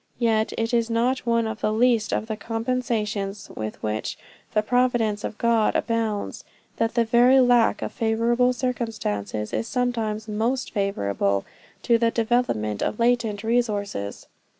Yet it is not one of the least of the compensations with which the providence of God abounds, that the very lack of favorable circumstances is sometimes most favorable to the development of latent resources.